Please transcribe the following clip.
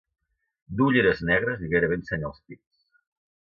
Du ulleres negres i gairebé ensenya els pits.